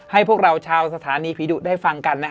ให้พวกเราชาวสถานีผีดุได้ฟังกัน